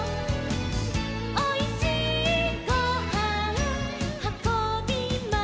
「おいしいごはんはこびました」